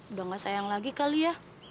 udah gak sayang lagi kali ya